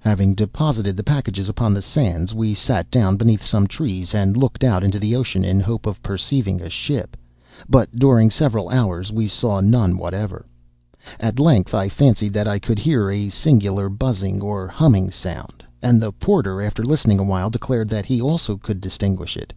"'Having deposited the packages upon the sands, we sat down beneath some trees, and looked out into the ocean in the hope of perceiving a ship, but during several hours we saw none whatever. At length I fancied that I could hear a singular buzzing or humming sound; and the porter, after listening awhile, declared that he also could distinguish it.